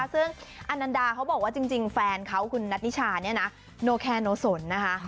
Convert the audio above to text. ซึ่งอันนันดาเขาบอกว่าจริงแฟนเขาคุณนัทนิชาเนี่ยนะโนแคโนสนนะคะ